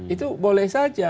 itu boleh saja